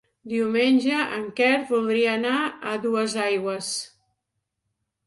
Diumenge en Quer voldria anar a Duesaigües.